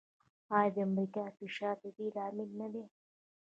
آیا د امریکا فشار د دې لامل نه دی؟